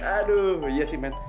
aduh iya sih men